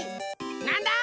なんだ？